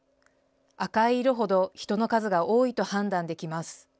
赤い色ほど人の数が多いと判断できます。